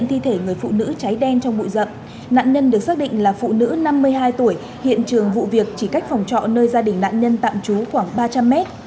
nạn nhân được xác định là phụ nữ năm mươi hai tuổi hiện trường vụ việc chỉ cách phòng trọ nơi gia đình nạn nhân tạm trú khoảng ba trăm linh mét